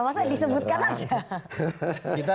masa disebutkan aja